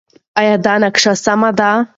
ایا دا نقشه سمه ده؟